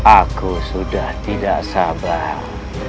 aku sudah tidak sabar